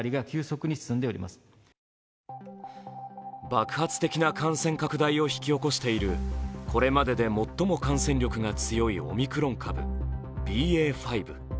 爆発的な感染拡大を引き起こしている、これまでで最も感染力が強いオミクロン株ＢＡ．５。